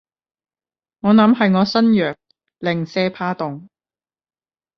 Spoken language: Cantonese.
我諗係我身弱，零舍怕凍